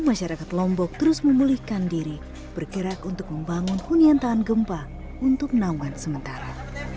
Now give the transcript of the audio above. masyarakat lombok terus memulihkan diri bergerak untuk membangun hunian tahan gempa untuk naungan sementara